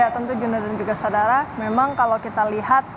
ya tentu junda dan juga saudara memang kalau kita lihat